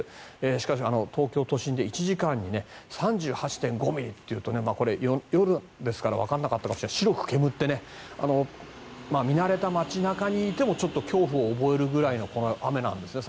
しかし、東京都心で１時間に３８．５ミリっていうとこれ、夜ですからわからなかったかもしれませんが白く煙って見慣れた街中にいてもちょっと恐怖を覚えるぐらいの雨なんですね。